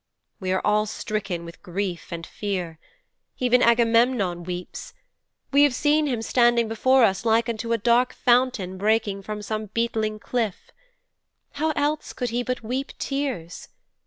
"' '"We are all stricken with grief and fear. Even Agamemnon weeps. We have seen him standing before us like unto a dark fountain breaking from some beetling cliff. How else could he but weep tears?